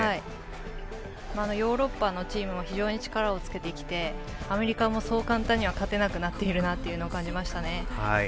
ヨーロッパのチームも非常に力をつけてきてアメリカもそう簡単には勝てなくなっているなというのを感じましたね。